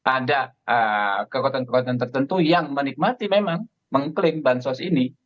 ada kekuatan kekuatan tertentu yang menikmati memang mengklaim bansos ini